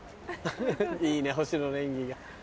いいねほしのの演技が。